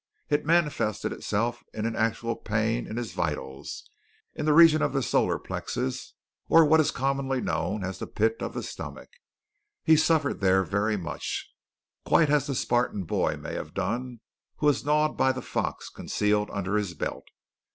It manifested itself in an actual pain in his vitals in the region of the solar plexus, or what is commonly known as the pit of the stomach. He suffered there very much, quite as the Spartan boy may have done who was gnawed by the fox concealed under his belt.